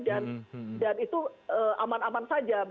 dan itu aman aman saja